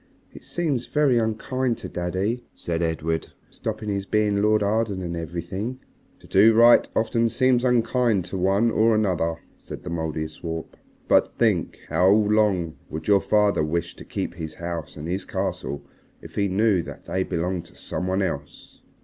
"It seems very unkind to daddy," said Edred, "stopping his being Lord Arden and everything." "To do right often seems unkind to one or another," said the Mouldiestwarp, "but think. How long would your father wish to keep his house and his castle if he knew that they belonged to some one else?"